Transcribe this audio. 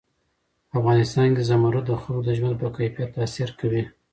په افغانستان کې زمرد د خلکو د ژوند په کیفیت تاثیر کوي.